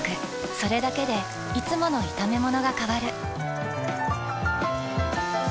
それだけでいつもの炒めものが変わる。